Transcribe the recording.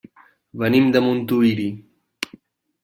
Venim de Montuïri.